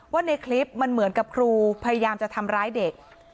ในคลิปมันเหมือนกับครูพยายามจะทำร้ายเด็ก